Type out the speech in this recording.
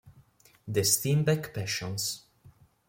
The Steinbeck passions!